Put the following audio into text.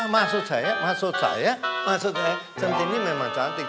maksud saya maksud saya cantiknya memang cantik